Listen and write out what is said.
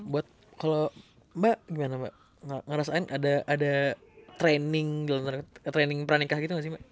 buat kalau mbak gimana mbak ngerasain ada training training pranikah gitu gak sih mbak